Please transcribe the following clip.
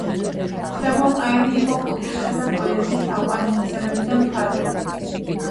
თემურ-ყაენი იყო კულტურისა და პოეზიის თაყვანისმცემელი და მფარველი.